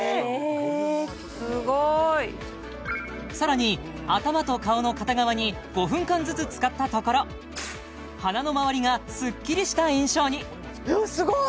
さらに頭と顔の片側に５分間ずつ使ったところ鼻の周りがすっきりした印象にすごい！